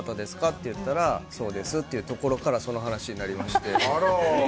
って言ったらそうですというところからその話になりまして。